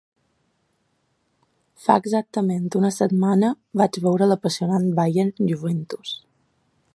Fa exactament una setmana vaig veure l’apassionant Bayern–Juventus.